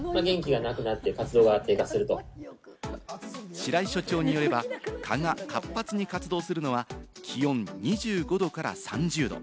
白井所長によれば、蚊が活発に活動するのは気温２５度から３０度。